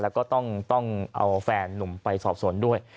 แล้วก็ต้องเอาแฟนนุ่มไปสอบสวนด้วย